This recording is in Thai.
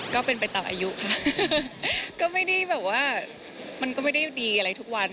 ก็เป็นไปตามอายุค่ะก็ไม่ได้แบบว่ามันก็ไม่ได้ดีอะไรทุกวัน